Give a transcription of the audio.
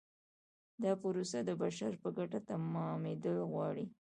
دا پروسه د بشر په ګټه تمامیدل غواړي.